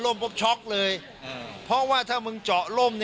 แล้วถ้าคุณชุวิตไม่ออกมาเป็นเรื่องกลุ่มมาเฟียร์จีน